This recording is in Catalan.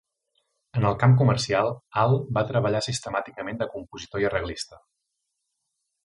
En el camp comercial, AI va treballar sistemàticament de compositor i arreglista.